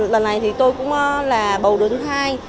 lần này thì tôi cũng là bầu đứa thứ hai